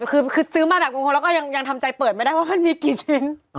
คือซื้อมาแบบบางคนแล้วก็ยังทำใจเปิดไม่ได้ว่ามันมีกี่ชิ้น